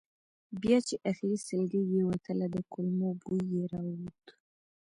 بیا چې آخري سلګۍ یې وتله د کولمو بوی یې راووت.